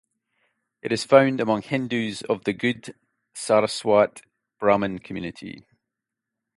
It is found among Hindus of the Goud Saraswat Brahmin community.